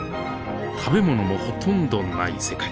食べ物もほとんどない世界。